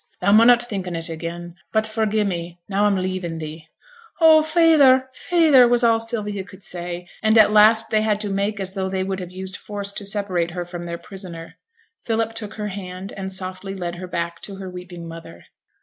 Thou munnot think on it again, but forgie me, now a'm leavin' thee.' 'Oh, feyther! feyther!' was all Sylvia could say; and at last they had to make as though they would have used force to separate her from their prisoner. Philip took her hand, and softly led her back to her weeping mother.